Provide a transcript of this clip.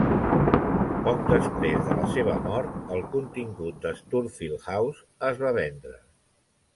Poc després de la seva mort, el contingut de Stourfield House es va vendre.